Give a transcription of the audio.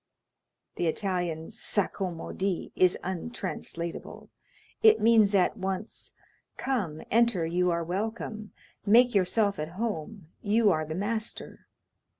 The Italian s'accommodi is untranslatable; it means at once, "Come, enter, you are welcome; make yourself at home; you are the master."